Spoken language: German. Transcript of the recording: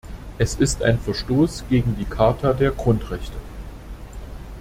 Es ist ein Verstoß gegen die Charta der Grundrechte.